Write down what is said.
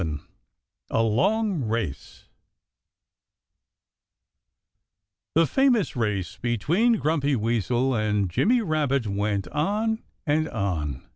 XI A LONG RACE The famous race between Grumpy Weasel and Jimmy Rabbit went on and on.